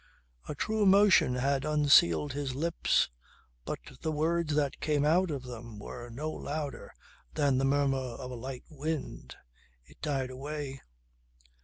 A true emotion had unsealed his lips but the words that came out of them were no louder than the murmur of a light wind. It died away.